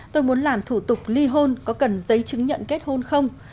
tôi muốn làm thủ tục ly hôn có cần giấy chứng nhận kết hôn không